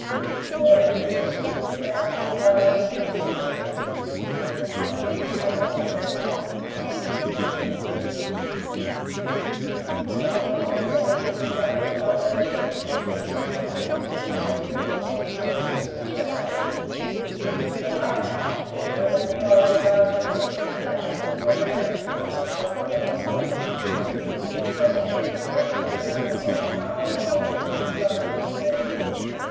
"Before entering the city we found that the whaler had left the harbour, and felt sure we would not be detained long, as nothing could be proved against us. When we were brought before the beak Jonathan told our story, and showed several letters he had received from Boston, so he was discharged. But I had nothing to show; they knew I was an Irishman, and the police asked for a remand to prove that I was a runaway convict. I was kept three weeks in gaol, and every time I was brought to court Jonathan was there.